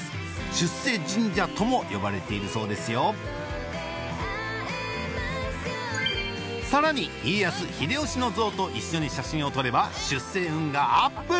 「出世神社」とも呼ばれているそうですよさらに家康秀吉の像と一緒に写真を撮れば出世運がアップ！